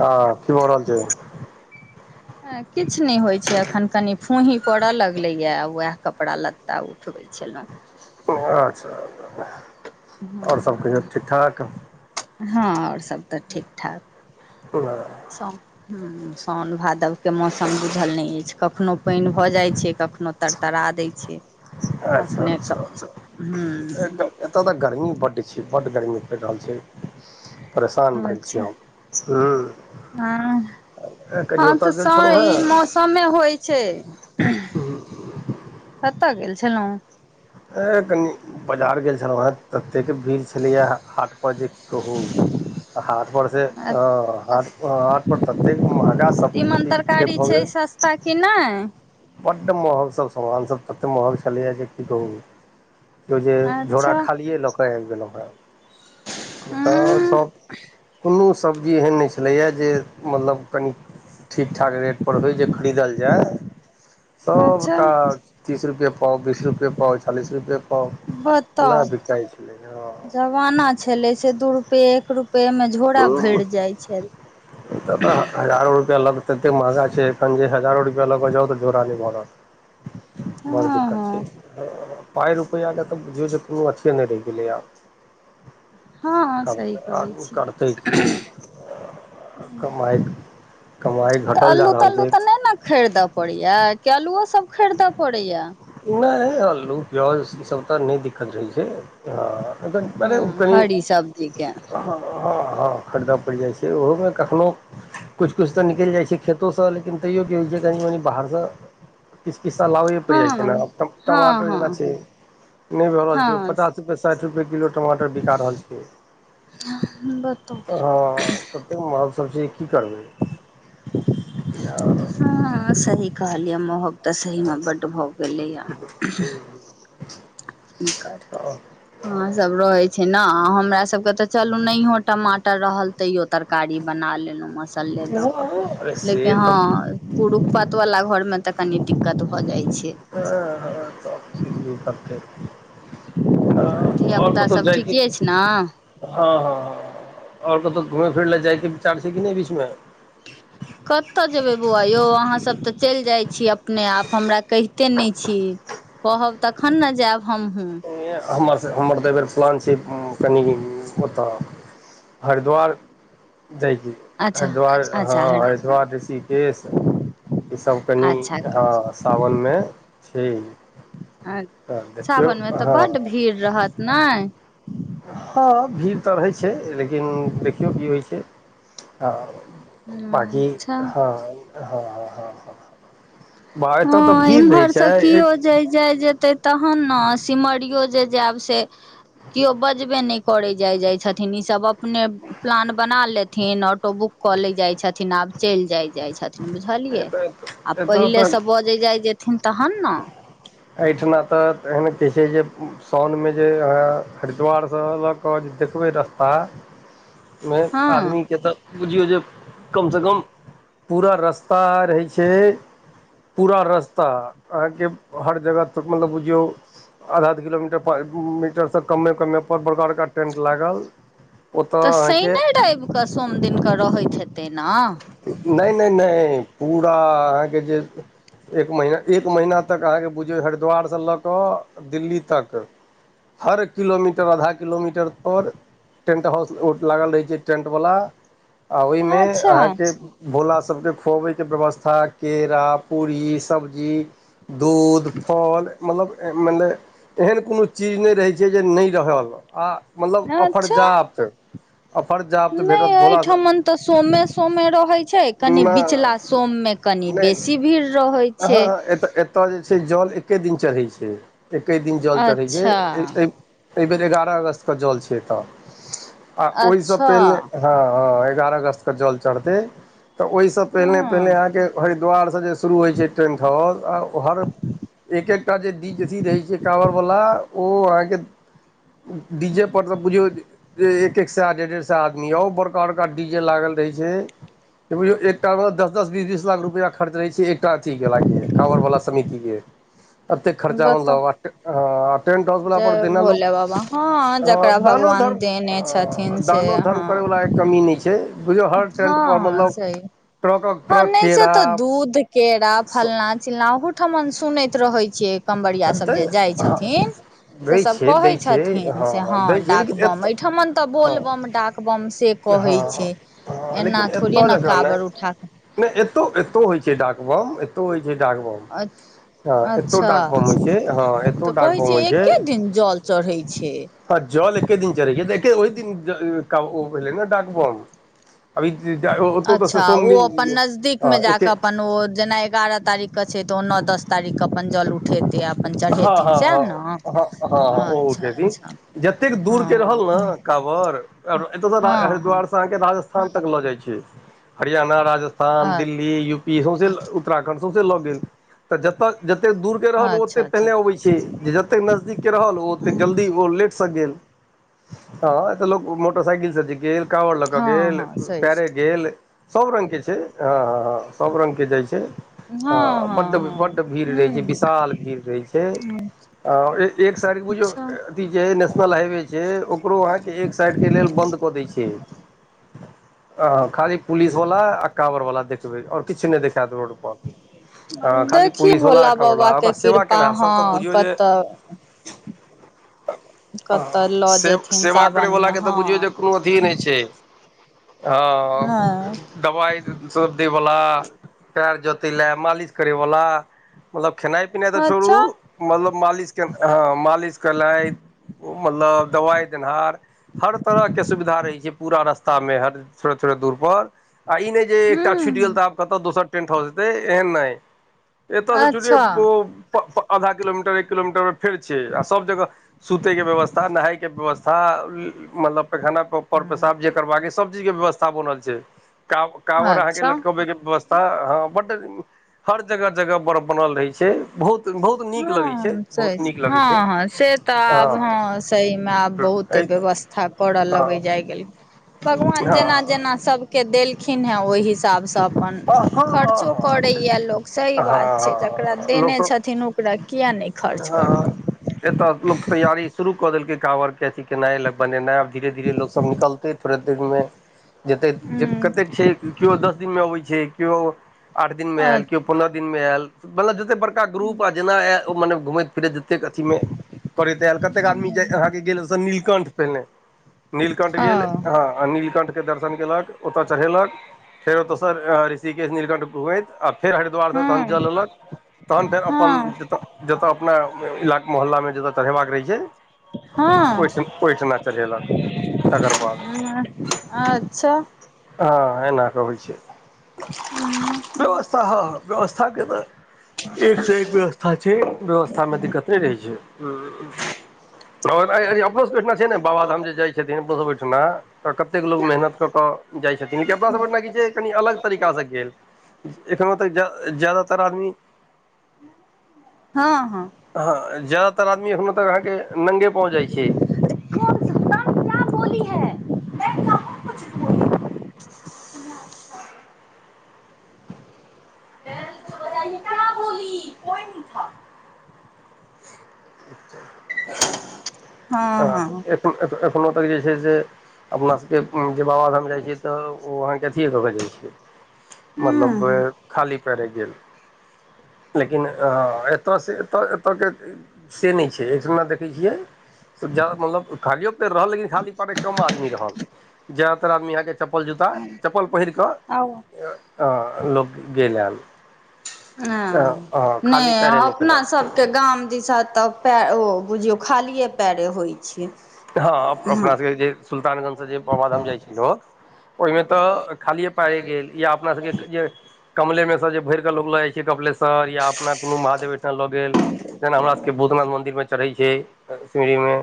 हँ की भऽ रहल छै किछ नै होइ छै अखन कनी फूंही पड़य लगलैया उएह कपड़ा-लत्ता उठबै छेलैं अच्छा [inaudible] और सब कहियौ ठीक-ठाक हँ और सब तऽ ठीक-ठाक [unintelligible] [unintelligible] हु सोन-भादव के मौसम बुझल नै ऐछ कखनो पाइन भऽ जाइ छै कखनो तरतरा दै छै [inaudible] अच्छा अखने कऽ [inaudible] हू एत तऽ गर्मी बड्ड छै बड्ड गर्मी पैर रहल छै परेशान भेल छी अच्छा हम [unintelligible] कनि हँ ओतय तऽ गेल स छलहुँ ई मौसमे होइ छै [unintelligible] कतऽ गेल छेलौं ए कनी बजार गेल छलौ है ततेक भीड़ छेलैए हाट पर जे कहू हाट पर से हऽ हाट हाट पर ततेक महंगा सब तिमन चीज से तरकारी छै सस्ता कि नै बड महंग सब समान सब तते महंग छलै या जे की कहू बुझियौ जे झोरा अच्छा खालिए लऽ कऽ आइब गेलौं है हँ [unintelligible] सब्जी एहन नै छलैए यऽ मतलब कनि ठीक ठाक रेट पर होइ जे खरीदल जै अच्छा सबटा तीस रुपे पाव बीस रुपे पाव चालीस रुपे पाव एना बिकाइ छलै हँ जवाना छलै से दू रुपैए एक रुपए में झोरा भैर जाइ छल तऽ तह हजारो रुपआ लऽ कऽतेक महंगा छै एखैन जे हजारो रुपआ लऽ कऽ जाउ तऽ झोरा नै भरत [unintelligible] बड़ हँ दिक्कत छै हँ [unintelligible] पाइ रुपैआ कऽ तऽ बुझियौ जे कोनो अथियए नै रहि गेलैए हँ हँ सही कहै आदमी करतै छियै की [unintelligible] कमाइ कमाइ [unintelligible] तऽ घटल जा अल्लू रहल तल्लू छै तऽ नै न खैरद पड़ैया की अलुओ सब खरीदय पड़ैया नै आलू पीऔज ईसभ तऽ नै दिक्कत होइ छै [unintelligible] हँ हरी सब्जीके हँ हँ खरीद पैड़ जाइ छै ओहो में कखनो किछ किछ तऽनिकैल जाइ छै खेतो स लेकिन तैयो की होइत छै कनि मनि बाहर स किछ किछ तऽ लाबै ए पैड़ हँ जाइ छै न हँ टमाटर जेना छै हँ नै भऽ रहल छै हँ पचास रुपैआ साइठ रूपैय किलो टमाटर बिका रहल छियै बताउ [unintelligible] ततेक महंग सब छै की करबै [unintelligible] हऽ सही कहल यै महंग तऽ सही में बड्ड भऽ गेलै यऽ [unintelligible] की करतै अहाँ सब रहे छै न हमरा सब कऽ तऽ चलू नहीं यो टमाटर रहल तैयो तरकारी बना लेलहु मसाले दऽ कऽ अरे से लेकिन तऽ हँ पुरुख पात वाला घर में तऽ कनी दिक्कत भऽ जाइ छै हँ हँ सब ठीक [unintelligible] आ अ और धियापुता सब त जदी ठीके अछि ने हँ हँ ओर कतहु घूमय फिरय लए जाय के विचार छै कि नय बीच मे [inaudible] कतय जेबै बौआ यौ अहाँसभ तऽ चलि जाइ छी अपने आप हमरा कहिते नई छी कहब तखन न जायब हमहू [unintelligible] हमर हमर तऽ एय बेर प्लान छै कनि ओतऽ हरिद्वार जाइभी अच्छा हरिद्वार हँ अच्छा हर हरिद्वार ऋषिकेश ई सभ कनि अच्छा हँ सावन मे छै अ तऽ देखियौ सावन मे तऽ हँ बड्ड भीड़ रहत नय हँ भीड़ तऽ रहै छै लेकिन देखियौ की होइ छै हँ बाकी अच्छा हँ हँ हँ ह हँ इम्हर से छै कियो जे जाय जेतै त हम न सिमरियो जे जायब से केओ बजबे नहि करे जाय जाय छथिन ई सब अपने प्लान बना लेत थीन ऑटो बुक कऽ ल जाइ छथिन आब चल जाय जाए छथीन बुझलिय आ एतय पहिले तऽ से बजै जाइ जेथिन त हन न छईठ मे तऽ एहन कहै छै साउन मे जे अहाँ हरिद्वारसँ अलक क जे देखबै रस्ता [inaudible] मे हँ आदमी के तऽ बुझियौ जे कम से कम पूरा रस्ता रहै छै पूरा रस्ता अहाँके हर जगह मतलब बुझियौ आधा आध किलोमीटर मीटरसँ कममे कममे पर बड़का बड़का टेन्ट लागल ओतऽ तऽ अहाँके शने रेब कऽ सोम दिनकेऽ रहैत हतेय न नय नय नय पूरा अहाँके जे एक महिना एक महीना तक अहाँके बुझियौ हरिद्वार सँ लक दिल्ली तक हर किलोमीटर आधा किलोमीटर पर टेंट हाउस लागल रहे छै टेंट वाला आ ओहिमे अच्छा अहाँके भोला सबके खुबैके व्यवस्था केरा पूरी सब्जी दूध फल मतलब मने एहन कोनो चीज नय रहै छै जे नय रहल अलग आ मतलब ऑफरजात नय अय ठमन तऽ सोमे सोमे रहय छै कनि नहि बिचला सोम मे कनि नहि बेसी भीड़ रहैय छै त जे छै जल एके दिन चढ़ै छै एके दिन जल चढ़ै अच्छा छै एहि बेेर एगारह अगस्त के जल छै एतय अ ओहिसँ अच्छा पहिले हँ हँ एगारह अगस्त के जल चढ़तै तऽ ओहिसँ पहिने पहिने हूँ अहाँके हरिद्वारसँ जे शुरू होइ छै ट्रेन्थ हाउस आ हर एक एकटा जे डिगजी रहै छै काँवरवला वाला ओ अहाँके डीजे परर तऽ बुझियौ एक सा ेढ़ डेढ़ सा आदमी आ बड़का बड़का डीजे लागल रहै छै जे [unintelligible] एकटा म दस दस बीस बीस लाख रुपया खर्च रहें कथी गला केँ कवरवाला समिति केँ ततै खर्चा बताउ मत ह टेंट हाउस वला पर जय देना लोग भोले बाबा हँ [inaudible] ह जकरा दान भगवान धर्म देने ह छथिन से दानो हँ धर्म करै वला एक कमी नै छै बुझियो हँ ह सेहीय [inaudible] हँ ट्रक नै सेह केरा तऽ दूध केरा फलना चिलना अहुँ ठमन सुनैत रहैत छियै कमरिया दै सभ जे जाइत हँ छथिन से दै सब छै कहै दै छै छथिन से हँ दै छै लेकिन डाकबम एतऽ एहिठमन तऽ हँ बोलबम डाकबम से कहै हँ छै हँ एना लेकिन एत थोड़े ने जकाँ नै काँवर उठा [inaudible] नै एतो एतो होइत छै डाक बम एत्तो होइ छै डाकबम अ [inaudible] अच्छा छै हँ एतौ तऽ डाक कहै बम छैै एके दिन जल चढ़ैत छै आ जल एके दिन चल ओहि दिन [unintelligible] ऐलै न डाकबम अभी [unintelligible] अच्छा ओ दिन अपन नजदीक में हँ जा कऽ एके अपन ओ जेना एगारह तारीख कऽ छै तऽ ओन दस तारीख कऽ अपन जल उठेैत हँ हँ हँ हँ हँ ओ अच्छा ओते दिन अच्छा जते कऽ दूर कऽ हँ रहल न कबर आओर एतऽ स हँ हँ हरिद्वार स अहाँ केँ राजस्थान तक लऽ जाइ छै हरियाणा अ राजस्थान दिल्ली यू पी सौसे उत्तराखण्ड सौसे लऽ गेल जत जते दूर केँ रहल ओ ओते अच्छा अच्छा पहिले ओ उठबै छै जे जतेक नजदीक केँ रहल ओ ओतेक जल्दी ओ लेट से गेल हऽ ऐत लोक मोटरसइकिल से जे गेल कावर लऽ कऽ हँ गेल हँ सही पैरे गेल सब रंग केँ छै हऽ हऽ हऽ सभ रंग केँ जाइ छै हँ हऽ हँ बड्ड हँ बड्ड भीड़ रहै छै हूँ विशाल भीड़ रहै छै हे आओर ए एक साइड कऽ बुझियो अच्छा अथी जे है नेशनल हाईवे छै ओकरो अहाँकेँ एक साइड केँ लेल बंद कऽ दै छै आ खाली पुलिस वाला आ काँवर वाला देखबै आओर किछ नै देखायत रोड पर खाली देखी पुलिस वाला भोला आ काँवर वाला बाबा कऽ ओकरा सेवा कृपा केनहार सब तऽ हऽ बुझियौ कतऽ कतऽ [unintelligible] लऽ सेब जेथिन सेवा करय वला सावनमे केँ तऽ हँ बुझियौ जे कोनो अथिए नै छै हँ हँ [unintelligible] दवाइ सब देै बला पैर जते लए मालिश करे बला मतलब खेनाइ पिनाइ तऽ छोरू अच्छा मतलब मालिश केँ हऽ मालिश केनाइ ओ मतलब दवाइ देनहार हर तरह केँ सुविधा रहै छै पूरा रस्ता में हर थोड़े थोड़े दूर पर आ ई नै जे एकटा छुट गेल हूँ तऽ आब कतऽ दोसर टेन्ट हाउस हेते एहन नै ऐत स छुटियौ अच्छा ओ प [unintelligible] आधा किलोमीटर एक किलोमीटर फेर छै आ सभ जगह सुते केँ व्यवस्था नहैय केँ व्यवस्था मतलब पैखाना [unintelligible] पर पेशाब जे करबाक यऽ सब चीज कें व्यवस्था बनल छै का काँवर अहाँकेँ अच्छा लटकबे केँ व्यवस्था तऽ हऽ बड हर जगह जगह बड़ बनल रहै छै बहुत बहुत ह नीक लगै छै सही बहुत छै नीक लगै हऽ हऽ से तऽ आब हँ हऽ सही में आब बहुते व्यवस्था कथा कर लग जाय गेल भगवान जेना हँ जेना सब केँ देलखिन हे ओइ हिसाब से तऽ अपन हँ हँ हँ हँ खर्चो हँ हँ हँ करैए लोक सही बात छै जकरा हँ देने लोकसभ छथिन ओकरा किया नैय खर्च करत एतय लोक तैयारी शुरू क देलकै काँवर के अथी केनाइ लग बनेनाइ आब धीरे धीरे लो सब निकलते प्र देर मे जतेक जे हूँ कतेक छैय केओ दस दिन मे अबैत छैय केओ आठ दिन मे अ आयल केओ पन्द्रह दिन मे आयल मतलब जतेक बड़का ग्रुप आ जेना आयल ओ मने घुमैत फिरैत जतेक अथी मे पड़ैत आयल कतेक आदमी जे अहाँके गेल से अहाँ के नील कंठ पहिनेे नीलकण्ठ ओ गेल हँ नीलकण्ठ के दर्शन केलक ओतऽ चढ़ेलक फेर ओतयसँ ऋषिकेश नीलकंठ हो आइतआ फेर हरिद्वार से हँ जल लेलक तहन फेर हँ अपनऽ जतऽ अपना इलाका मोहल्लामे जतऽ चढ़ेबाक रहै छैय हँ चढ़ेलक तकर बाद हा अच्छाऽ हँ एना कऽ होइ छैय [inaudible] हू व्यवस्था ह व्यवस्थाके तऽ एकसँ एक व्यवस्था हा छैय व्यवस्थामे दिक्कत नैय रहै छैय [unintelligible] अपनो से देखना चाहिए न बाबाधाम जे जाइ छथिन बहु ऐठेना तऽ कतेक लोको मेहनत कर कऽ जाइ छथिन लेकिन अपना सब ऐठ नाकि छिएकी जे कनि अलग तरीकासँ गेल एखनो तऽ ज्याद एखनो तऽ जादातर आदमी हँ हँ हँ ज्यदातर आदमी ऐखनोतक अहाँके नंगे पाँव जाइ छैय [inaudible] क्या बोली है [inaudible] [unintelligible] [unintelligible] बताइे क्या बोली [inaudible] आ हँ हँ एखन एखनो तक जे छैयसे अपना सभके जे बाबाधाम जाइ छियै तऽ ओ अहाँके अथिए दऽ कजाइ छिय मतलब हँ वे खाली पैरे जैवे लेकिन एतयसँ एतय एतयके से नहि छैय ऐ दिना देखै छियै जा मतलब खालियओ तऽ रहल लेकिन खाली पैरे कम आदमी रहल ज्यदातर आदमी अहाँके चप्पल जुता चप्पल पहिर कऽ आउ लोकग गेल आल ऐआऽ खाली नैय पैरे नहि अपना केलक सब के गाम दिसा तऽ पै ओ बुझियौ खालिए पैरे होइ छैय हँ अपना सबके जे सुल्तानगंज से जे बाबाधाम जाइ छ्लो ओहिमे तऽ खालीए पायरेगेल या अपना सबके जे कमले मे से जे भर के लोग लैय जा के कपिलेश्वर या अपना कोनो महादेव ओठाम लऽ गेल जेना हमरा सबके भूतनाथ मन्ददिर मे चढ़ै छैय सिमरीं में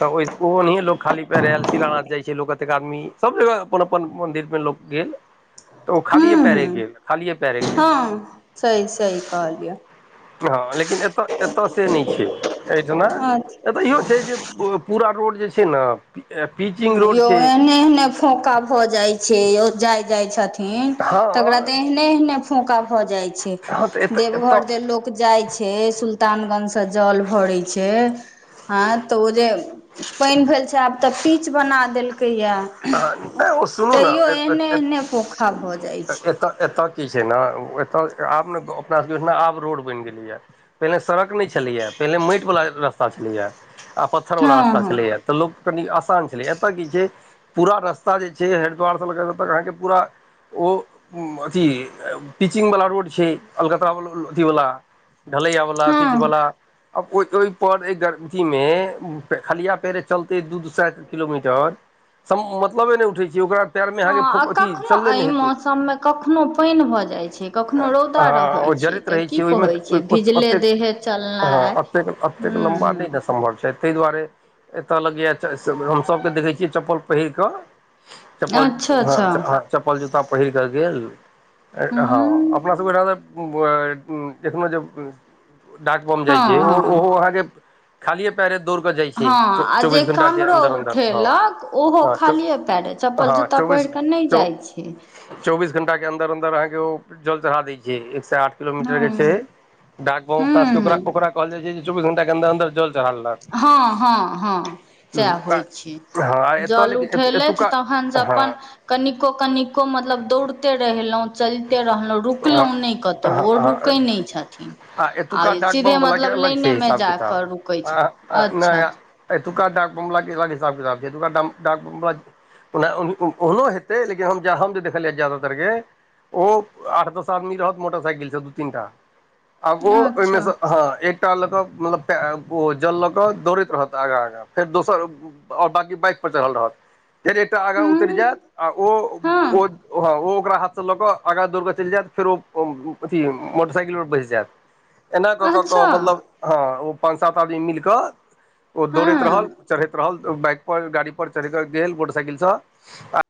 तऽ ओ ओनाहिे लोक खाली पै यरे आयल सिला नाथ जाइ छैय लोक एतेक आदमी सब जगह अपन अपन मन्दिर पे लोक गेल तऽ ओ खाली ये पैरे हँ गेल खाली ये पैरे गेल हँ सही सही कहलियै हँ लेकिन एतऽ एतऽ से नहि छैय एहिठिना अच्छा ऐतहियो छैय जे पूरा रोड जे छैय न हा इहो एहने एहने फोका भऽ जाइ छैय यो जाइ जाइ छथिन तकरा हँ तऽ एहने एहने फोका भऽ जाइ छैय हँ तऽ एतऽ एतऽ देवघर जेलोक जाय छैय हेसुल्तानगंजसँ जल भरै छैय हँ तऽ ओ जे पानि भेल छै आब तऽ पीच बना देलकैए या नहि ओ सुनू तैयो एहने ने एहने पोखा भऽ जाइ छैय एतय एतय की छै ने एतय आब ने अपना ऐहिना रोड बैन गेलैया पहिले सड़क नैय छलैया पहिले माटि बला रस्ता छलैया आ पत्थर वला हँ रास्ता हँ छलेया तऽ लोक कनि आसान छलै एतय की छैय पूरा रस्ता जे छै हरिद्वारसँ लक अत तक अहाँके पूरा ओ अथी पिचिंग वला रोड छै अलकत ब बला अथीवला ढलैय वाला पीच हँ वाला आब ओहि दूभ पर एही जरती मे खलिआ पेरे चलतै दू दू सए किलोमीटर सम मतलबे नैय उठै छै ओकरा पएरमे हँ आ अहाँके अथी कखनो चलले एहि नहि हेतै मौसम में कखनो पानि भऽ जाय छै कखनो रौदा हँ रहै ओ छैय जड़ैत रहै छै ओहिमेतेक हँ चलनाइ एतेक एतेक हूँ लम्बा नहि ने हूँ सम्भव छै ताहि दुआरे एतय लगैया [unintelligible] हमसभके देखै छियै चप्पल पहिर कऽ चप्पल अच्छा हँ अच्छा ह चप्पल जूता पहिर कऽ गेल हँ हूँ अपना सबके ऐठनाज एखनो जे डाक बम हँ जाइ छैर हँ ओहो ओहोअहाँके खालि पयरे दौड़ केऽ जाइ छै हँ आ जे चौबीस घंटा के कामरो अंन्दर अन्दर हँ उठेलक ओहो हँ खालिए पेरे चप्पल हँ जूताा चौबीस पहिर कऽ नैय चौ जाइ छै चौबीस घण्टाके अन्दर अन्दर अहाँके ओ जल चढ़ा दै छै एकसँ आठ किलोमीटर हँ के छै हूँ डाक बम पास ओकरा हूँ ओकरा कहल जाइ छै चौबीस घंटा के अन्दर अन्दर जल चढ़ा लेलक हँ हँ हँ सा होइ छै हँ एतय जल लेकिन उठेलथ एतुका तहन स हँ अपन कनिको कनिको मतलब दौड़ते रहलों चलिते रहलो रुकली हँ नैय कतहु हँ ओ हँ रुकै नैछथिन आ एतुका डाक सीधे बम वला मतलब लाइने मे जााकऽ रुकै छै अच्छा नैय अच्छा ऐतुका डाक बम वला के अलग हिसाब किताब छै ऐतुका डाक बम बला ओ ओहनो हेतै लेकिन हम हम जे देखलियै है जादातरके ओ आठ दस आदमी रहत मोटरसाइकिल से दू तीनटा आओ ओहिमे से अच्छा हँ एक लोटा ल कऽ मतलब ओ जल लऽ कऽ दौड़ैत रहत आगाँ आगाँ फेर दोसर आओर बाकी बाइक पर च रहल रहत फि एकटा आगाँ उतरि हँ जायत आ ओ ओ हँ हँ ओ ओकरा हाथसँ लऽ कऽ आगाँ दौड़ कऽ चलि जायत फेर ओ अथी मोटरसाइकिलपर बैस जायत एना कऽ कऽ अच्छा केऽ मतलब हँ ओ पाँन सात आदमी मिल कऽ ओ दौड़ैत रहल हँ चढ़ैत रहल बाइक पर गाड़ी पर चढ़ रहल गेहेल मोटरसाइकिल से